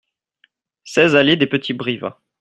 seize allée des Petits Brivins